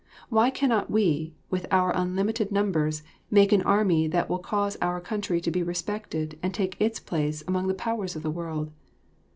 Why cannot we, with our unlimited numbers, make an army that will cause our country to be respected and take its place among the powers of the world?